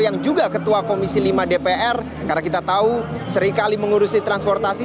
yang juga ketua komisi lima dpr karena kita tahu seringkali mengurusi transportasi